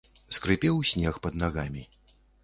Скрыпеў снег пад нагамі.